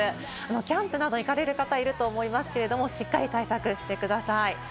キャンプなど行かれる方、いると思いますけど、しっかり対策してください。